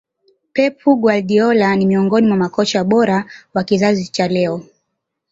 pep guardiola ni miongoni mwa makocha bora wa kizazi cha leo